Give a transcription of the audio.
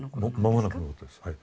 間もなくのことですはい。